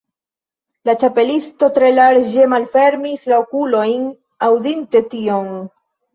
La Ĉapelisto tre larĝe malfermis la okulojn, aŭdinte tion.